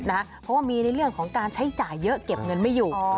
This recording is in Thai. เพราะว่ามีในเรื่องของการใช้จ่ายเยอะเก็บเงินไม่อยู่